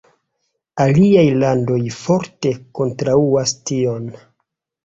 Aliaj landoj forte kontraŭas tion.